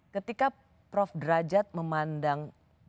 ketika prof derajat memandang